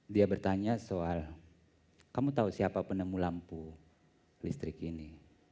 dia bertanya soal kamu tahu siapa penemu lampu listrik ini